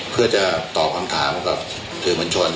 เพื่อจะตอบคำถามกับสื่อมวลชน